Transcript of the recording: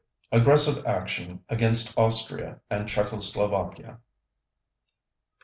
_Aggressive action against Austria and Czechoslovakia.